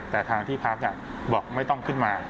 แต่ทางที่พักบอกไม่ต้องขึ้นมา